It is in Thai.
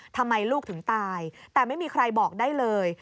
ทำไมลูกถึงตายแต่ไม่มีใครบอกได้เลย